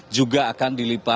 juga akan dilimpahkan